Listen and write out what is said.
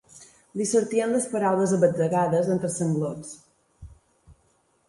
Li sortien les paraules a batzegades entre sanglots.